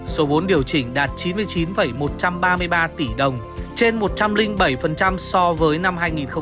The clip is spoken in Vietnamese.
số vốn điều chỉnh đạt chín mươi chín một trăm ba mươi ba tỷ đồng trên một trăm linh bảy so với năm hai nghìn một mươi bảy